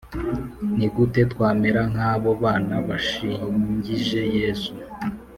Ni gute twamera nk abo bana bashingije Yesu